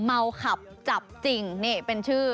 เมาขับจับจริงนี่เป็นชื่อ